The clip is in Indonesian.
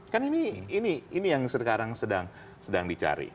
kan ini yang sekarang sedang dicari